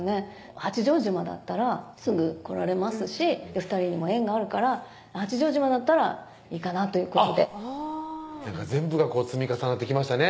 八丈島だったらすぐ来られますし２人にも縁があるから八丈島だったらいいかなということで全部が積み重なってきましたね